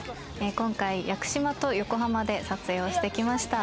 今回、屋久島と横浜で撮影をしてきました。